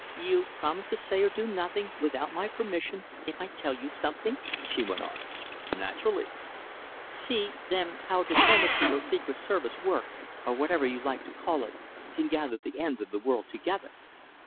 "You promise to say or do nothing without my permission, if I tell you something?" she went on. "Naturally!" "See, then, how diplomacy or secret service work, or whatever you like to call it, can gather the ends of the world together!